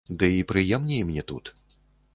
Ды і прыемней мне тут.